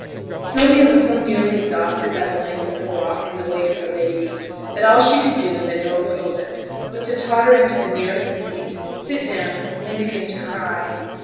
Sylvia was so nearly exhausted by the length of her walk and the weight of her baby, that all she could do when the door was opened was to totter into the nearest seat, sit down, and begin to cry.